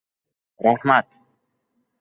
— Rahmat.